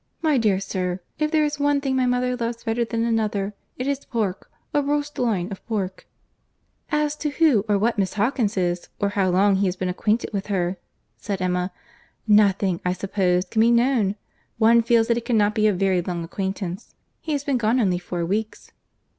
—My dear sir, if there is one thing my mother loves better than another, it is pork—a roast loin of pork—" "As to who, or what Miss Hawkins is, or how long he has been acquainted with her," said Emma, "nothing I suppose can be known. One feels that it cannot be a very long acquaintance. He has been gone only four weeks."